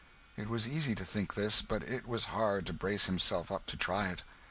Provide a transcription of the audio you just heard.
It was easy to think this; but it was hard to brace himself up to try it.